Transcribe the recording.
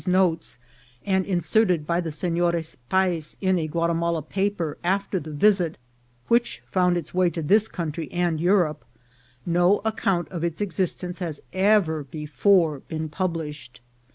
's notes, and in serted by the Senores Payes in a Guatimala paper after the visit, which found its way to this country and Eu rope, no account of its existence has ever before been published.